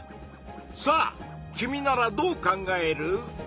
さあ君ならどう考える？